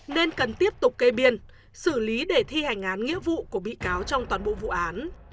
nên cần tiếp tục kê biên xử lý để thi hành án nghĩa vụ của bị cáo trong toàn bộ vụ án